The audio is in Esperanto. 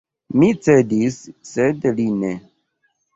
Mi cedis, sed li ne.